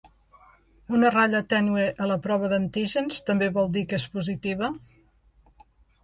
Una ratlla tènue a la prova d’antígens també vol dir que és positiva?